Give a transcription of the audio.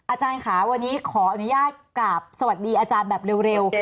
อาจารย์ค่ะวันนี้ขออนุญาตกราบสวัสดีอาจารย์แบบเร็ว